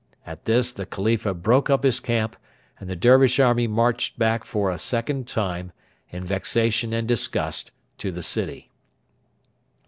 At this the Khalifa broke up his camp, and the Dervish army marched back for a second time, in vexation and disgust, to the city.